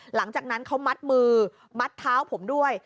หลังจากนั้นเขามัดมือมัดเท้าผมด้วย